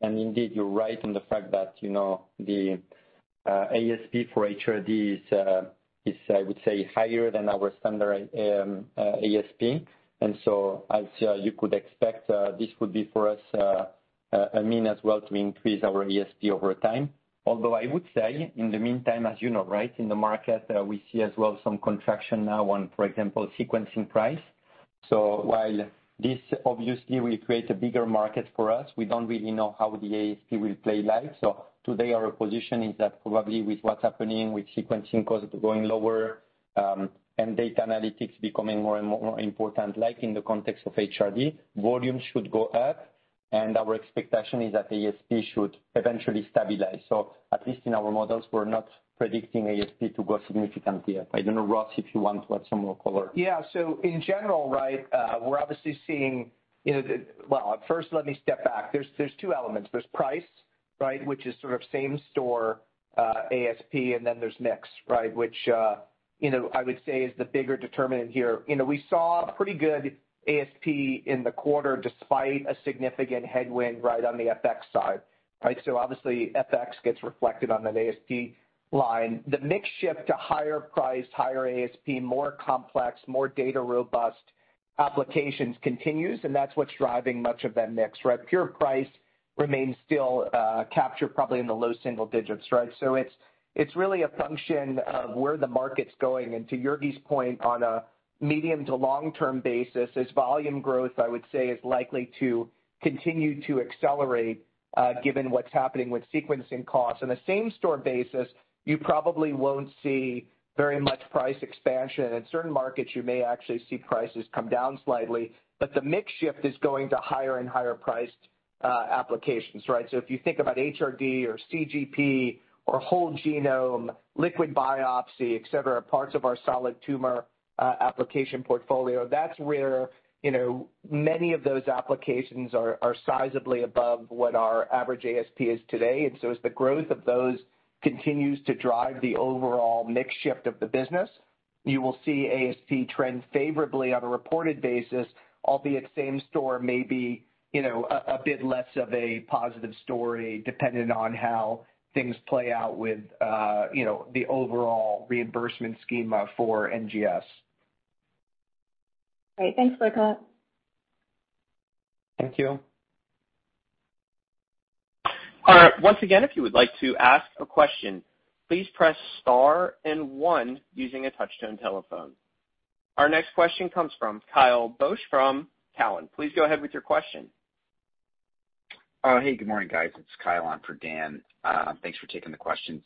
[SPEAKER 3] Indeed, you're right on the fact that, you know, the ASP for HRD is, I would say, higher than our standard ASP. As you could expect, this would be for us a means as well to increase our ASP over time. Although I would say in the meantime, as you know, right, in the market, we see as well some contraction now on, for example, sequencing price. While this obviously will create a bigger market for us, we don't really know how the ASP will play like. Today our position is that probably with what's happening with sequencing costs going lower, and data analytics becoming more and more important, like in the context of HRD, volume should go up and our expectation is that ASP should eventually stabilize. At least in our models, we're not predicting ASP to go significant here. I don't know, Ross, if you want to add some more color.
[SPEAKER 5] In general, right, we're obviously seeing, you know, the. Well, first let me step back. There's two elements. There's price, right, which is sort of same store ASP, and then there's mix, right? Which, you know, I would say is the bigger determinant here. You know, we saw pretty good ASP in the quarter despite a significant headwind right on the FX side, right? Obviously, FX gets reflected on that ASP line. The mix shift to higher priced, higher ASP, more complex, more data robust applications continues, and that's what's driving much of that mix, right? Pure price remains still captured probably in the low single digits, right? It's really a function of where the market's going. To Jurgi's point, on a medium to long-term basis, as volume growth, I would say, is likely to continue to accelerate, given what's happening with sequencing costs. On a same store basis, you probably won't see very much price expansion. In certain markets, you may actually see prices come down slightly, but the mix shift is going to higher and higher priced applications, right? If you think about HRD or CGP or whole genome, liquid biopsy, et cetera, parts of our solid tumor application portfolio, that's where, you know, many of those applications are sizably above what our average ASP is today. As the growth of those continues to drive the overall mix shift of the business, you will see ASP trend favorably on a reported basis, albeit same store may be, you know, a bit less of a positive story depending on how things play out with, you know, the overall reimbursement scheme for NGS.
[SPEAKER 7] Great. Thanks for comment.
[SPEAKER 3] Thank you.
[SPEAKER 1] Once again, if you would like to ask a question, please press star and one using a touch-tone telephone. Our next question comes from Kyle Boesch from Cowen. Please go ahead with your question.
[SPEAKER 8] Hey, good morning, guys. It's Kyle on for Dan. Thanks for taking the questions.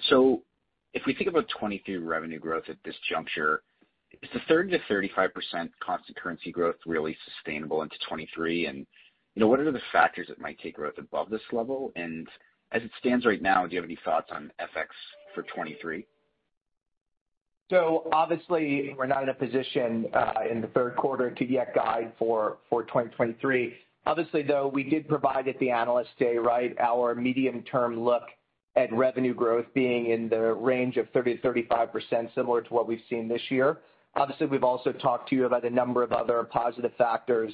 [SPEAKER 8] If we think about 2022 revenue growth at this juncture, is the 30%-35% constant currency growth really sustainable into 2023? You know, what are the factors that might take growth above this level? As it stands right now, do you have any thoughts on FX for 2023?
[SPEAKER 5] Obviously we're not in a position in the third quarter to yet guide for 2023. Obviously, though, we did provide at the Analyst Day, right, our medium-term look at revenue growth being in the range of 30%-35%, similar to what we've seen this year. Obviously, we've also talked to you about a number of other positive factors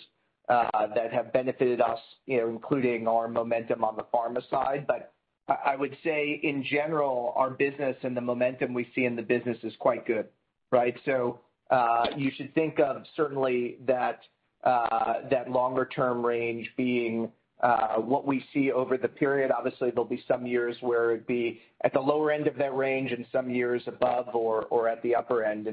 [SPEAKER 5] that have benefited us, you know, including our momentum on the pharma side. I would say in general, our business and the momentum we see in the business is quite good, right? You should think of certainly that longer term range being what we see over the period. Obviously, there'll be some years where it'd be at the lower end of that range and some years above or at the upper end.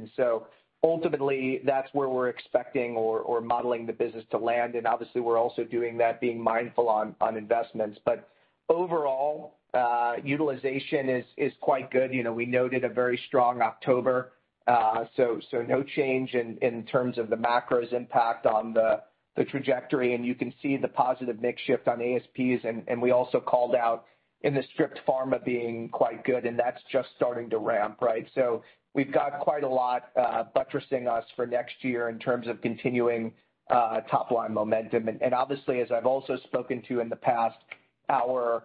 [SPEAKER 5] Ultimately that's where we're expecting or modeling the business to land. Obviously we're also doing that being mindful on investments. Overall, utilization is quite good. You know, we noted a very strong October. No change in terms of the macro's impact on the trajectory, and you can see the positive mix shift on ASPs. We also called out in the stripped pharma being quite good, and that's just starting to ramp, right? We've got quite a lot buttressing us for next year in terms of continuing top line momentum. Obviously, as I've also spoken to in the past. Our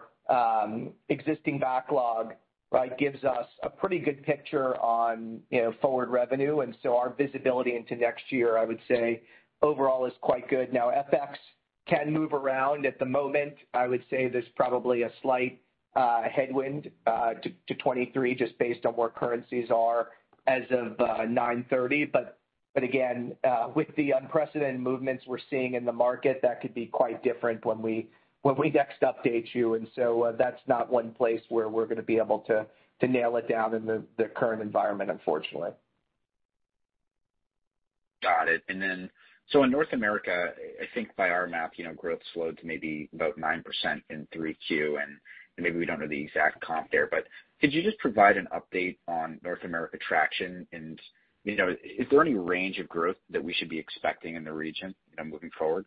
[SPEAKER 5] existing backlog, right, gives us a pretty good picture on, you know, forward revenue. Our visibility into next year, I would say, overall is quite good. Now, FX can move around. At the moment, I would say there's probably a slight headwind to 2023 just based on where currencies are as of 9:30 A.M. Again, with the unprecedented movements we're seeing in the market, that could be quite different when we next update you. That's not one place where we're gonna be able to nail it down in the current environment, unfortunately.
[SPEAKER 8] Got it. In North America, I think by our math, you know, growth slowed to maybe about 9% in 3Q, and maybe we don't know the exact comp there. Could you just provide an update on North America traction? You know, is there any range of growth that we should be expecting in the region, you know, moving forward?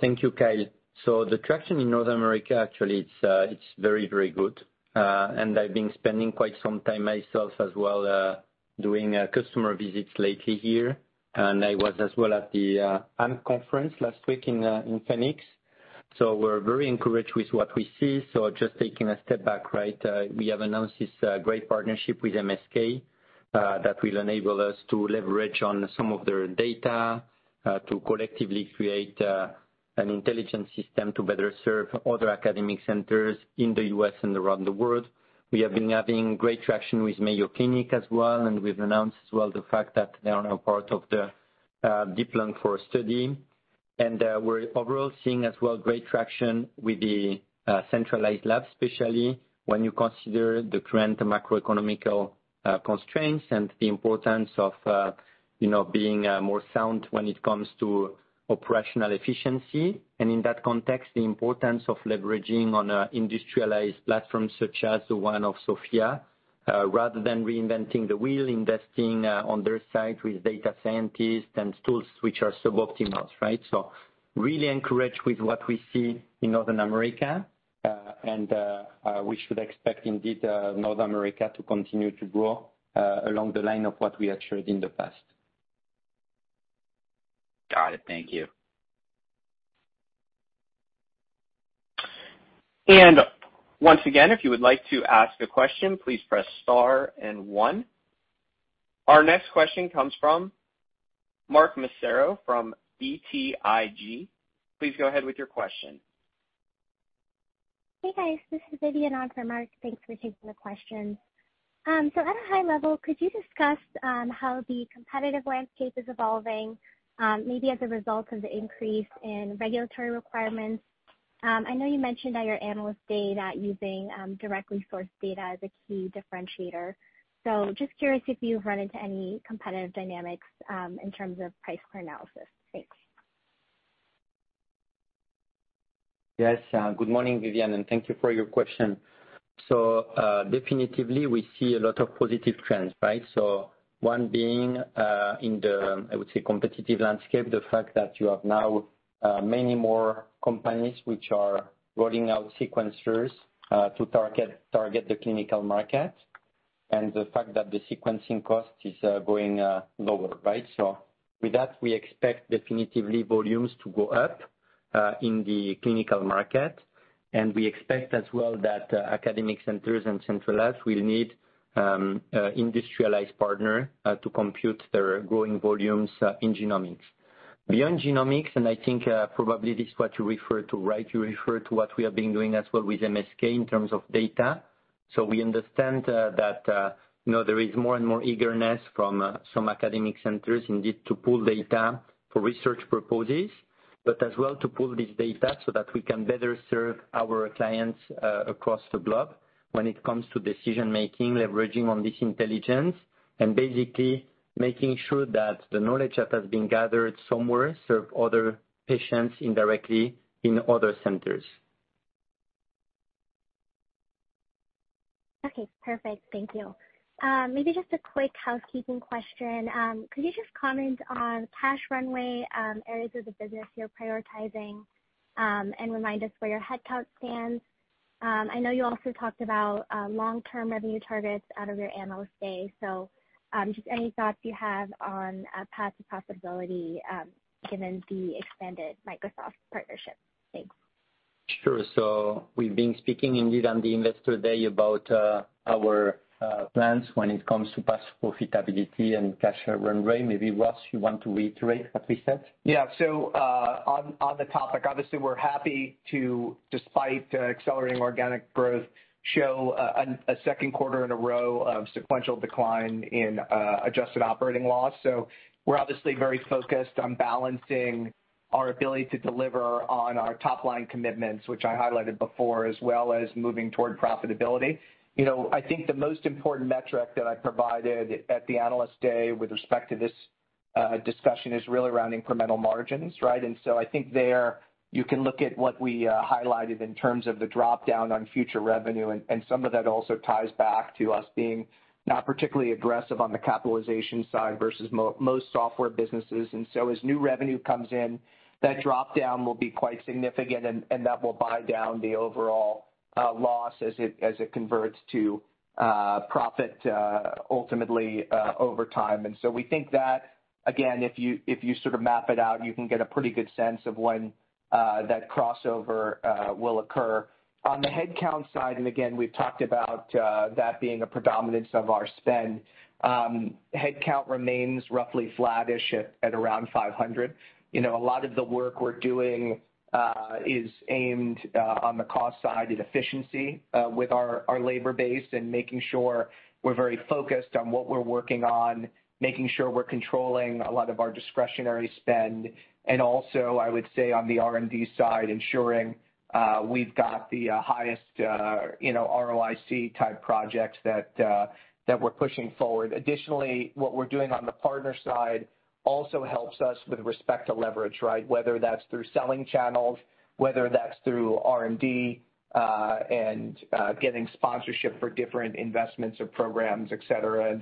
[SPEAKER 3] Thank you, Kyle. The traction in North America actually it's very, very good. I've been spending quite some time myself as well doing customer visits lately here. I was as well at the AMH conference last week in Phoenix. We're very encouraged with what we see. Just taking a step back, right, we have announced this great partnership with MSK that will enable us to leverage on some of their data to collectively create an intelligent system to better serve other academic centers in the U.S. and around the world. We have been having great traction with Mayo Clinic as well, and we've announced as well the fact that they are now part of the DEEP-Lung-IV study. We're overall seeing as well great traction with the centralized labs, especially when you consider the current macroeconomic constraints and the importance of, you know, being more sound when it comes to operational efficiency. In that context, the importance of leveraging on an industrialized platform such as the one of SOPHiA rather than reinventing the wheel, investing on their side with data scientists and tools which are suboptimal, right? Really encouraged with what we see in North America. We should expect indeed North America to continue to grow along the line of what we had showed in the past.
[SPEAKER 8] Got it. Thank you.
[SPEAKER 1] Once again, if you would like to ask a question, please press star and one. Our next question comes from Mark Massaro from BTIG. Please go ahead with your question.
[SPEAKER 9] Hey, guys. This is Vivian on for Mark. Thanks for taking the question. At a high level, could you discuss how the competitive landscape is evolving, maybe as a result of the increase in regulatory requirements? I know you mentioned at your Analyst Day that using directly sourced data is a key differentiator. Just curious if you've run into any competitive dynamics in terms of price per analysis. Thanks.
[SPEAKER 3] Yes. Good morning, Vivian, and thank you for your question. Definitively we see a lot of positive trends, right? One being, in the, I would say, competitive landscape, the fact that you have now, many more companies which are rolling out sequencers, to target the clinical market, and the fact that the sequencing cost is going lower, right? With that, we expect definitively volumes to go up, in the clinical market. We expect as well that, academic centers and central labs will need, a industrialized partner, to compute their growing volumes, in genomics. Beyond genomics, and I think, probably this is what you refer to, right, you refer to what we have been doing as well with MSK in terms of data. We understand that you know there is more and more eagerness from some academic centers indeed to pool data for research purposes, but as well to pool this data so that we can better serve our clients across the globe when it comes to decision-making, leveraging on this intelligence, and basically making sure that the knowledge that has been gathered somewhere serve other patients indirectly in other centers.
[SPEAKER 9] Okay, perfect. Thank you. Maybe just a quick housekeeping question. Could you just comment on cash runway, areas of the business you're prioritizing, and remind us where your headcount stands? I know you also talked about long-term revenue targets out of your Analyst Day. Just any thoughts you have on a path to profitability, given the expanded Microsoft partnership? Thanks.
[SPEAKER 3] Sure. We've been speaking indeed on the Investor Day about our plans when it comes to path to profitability and cash runway. Maybe, Ross, you want to reiterate what we said?
[SPEAKER 5] Yeah. On the topic, obviously, we're happy to, despite accelerating organic growth, show a second quarter in a row of sequential decline in adjusted operating loss. We're obviously very focused on balancing our ability to deliver on our top line commitments, which I highlighted before, as well as moving toward profitability. You know, I think the most important metric that I provided at the Analyst Day with respect to this discussion is really around incremental margins, right? I think there you can look at what we highlighted in terms of the dropdown on future revenue, and some of that also ties back to us being not particularly aggressive on the capitalization side versus most software businesses. As new revenue comes in, that dropdown will be quite significant and that will buy down the overall loss as it converts to profit ultimately over time. We think that, again, if you sort of map it out, you can get a pretty good sense of when that crossover will occur. On the headcount side, and again, we've talked about that being a predominance of our spend, headcount remains roughly flattish at around 500. You know, a lot of the work we're doing is aimed on the cost side and efficiency with our labor base and making sure we're very focused on what we're working on, making sure we're controlling a lot of our discretionary spend. I would say on the R&D side, ensuring we've got the highest you know ROIC type projects that we're pushing forward. Additionally, what we're doing on the partner side also helps us with respect to leverage, right? Whether that's through selling channels, whether that's through R&D and getting sponsorship for different investments or programs, et cetera.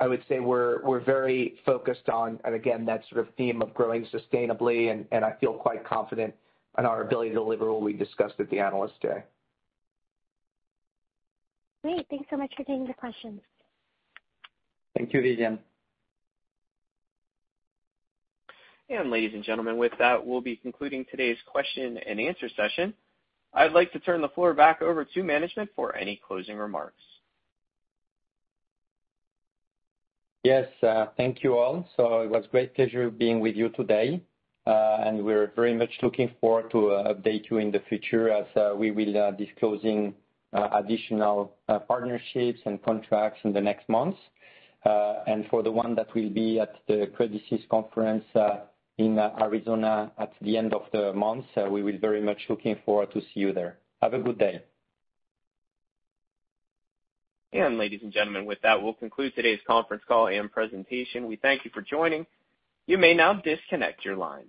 [SPEAKER 5] I would say we're very focused on, and again, that sort of theme of growing sustainably and I feel quite confident in our ability to deliver what we discussed at the Analyst Day.
[SPEAKER 1] Great. Thanks so much for taking the questions.
[SPEAKER 3] Thank you, Vivian.
[SPEAKER 1] Ladies and gentlemen, with that, we'll be concluding today's question and answer session. I'd like to turn the floor back over to management for any closing remarks.
[SPEAKER 3] Yes, thank you all. It was a great pleasure being with you today, and we're very much looking forward to updating you in the future as we will be disclosing additional partnerships and contracts in the next months. For those that will be at the Credit Suisse conference in Arizona at the end of the month, we very much look forward to seeing you there. Have a good day.
[SPEAKER 1] Ladies and gentlemen, with that, we'll conclude today's conference call and presentation. We thank you for joining. You may now disconnect your lines.